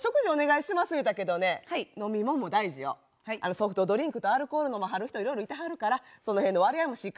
ソフトドリンクとアルコール飲まはる人いろいろいてはるからその辺の割合もしっかり考えて。